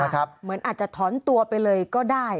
เหมือนอาจจะถอนตัวไปเลยก็ได้